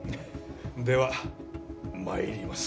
ではまいります。